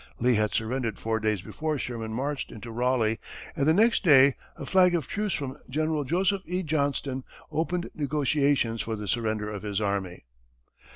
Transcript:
Lee had surrendered four days before Sherman marched into Raleigh, and the next day a flag of truce from General Joseph E. Johnston opened negotiations for the surrender of his army.